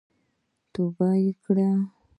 توبه وکړئ